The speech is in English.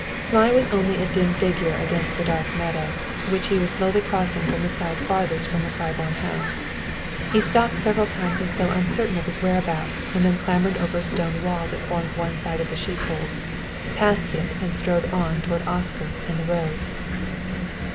Zmai was only a dim figure against the dark meadow, which he was slowly crossing from the side farthest from the Claiborne house. He stopped several times as though uncertain of his whereabouts, and then clambered over a stone wall that formed one side of the sheepfold, passed it and strode on toward Oscar and the road.